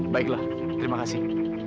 baiklah terima kasih